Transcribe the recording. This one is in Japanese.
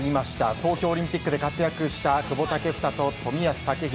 東京オリンピックで活躍した久保建英と冨安健洋。